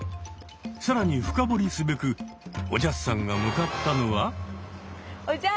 更に深掘りすべくおじゃすさんが向かったのは。